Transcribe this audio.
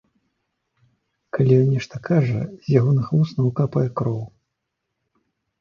Калі ён нешта кажа, з ягоных вуснаў капае кроў.